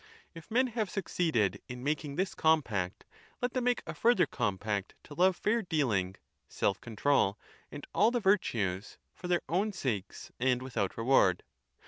If men have succeeded in making this compact, let them make a further compact to love &ir dealing, self control, and all the virtues, for their own sakes and without reward.